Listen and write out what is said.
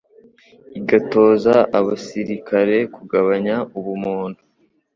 igatoza abasirikare 'kugabanya ubumuntu